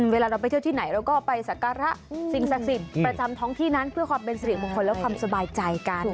เวลาเราไปเที่ยวที่ไหนเราก็ไปสักการะสิ่งศักดิ์สิทธิ์ประจำท้องที่นั้นเพื่อความเป็นสิริมงคลและความสบายใจกัน